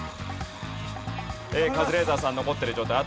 カズレーザーさん残ってる状態。